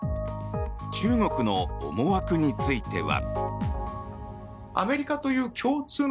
中国の思惑については。